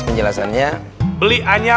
apa yang akan kita peluangkan